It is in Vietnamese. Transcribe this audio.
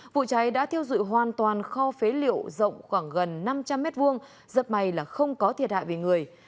vụ cháy đã thiêu dụi hoàn toàn kho phế liệu rộng khoảng gần năm trăm linh m hai rất may là không có thiệt hại về người